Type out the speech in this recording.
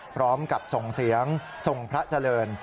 พร้อมกับส่งเสียงทรงพระเจริญ